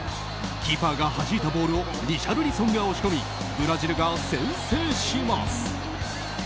キーパーがはじいたボールをリシャルリソンが押し込みブラジルが先制します。